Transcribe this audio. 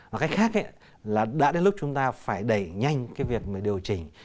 và cách khác là đã đến lúc chúng ta phải đẩy nhanh cái việc điều chỉnh